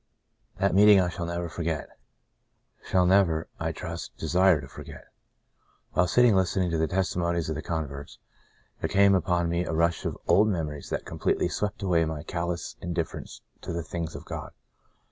That meeting I shall never forget — shall never, I trust, desire to forget. While sit ting listening to the testimonies of the con verts, there came upon me a rush of old memories that completely swept away my callous indifference to the things of God.